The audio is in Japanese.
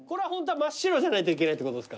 真っ白じゃないといけないってことですか？